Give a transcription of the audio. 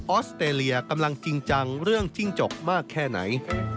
อสเตรเลียกำลังจริงจังเรื่องจิ้งจกมากแค่ไหน